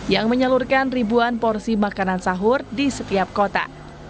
yang menyalurkan ribuan porsi makanan sahur di setiap kota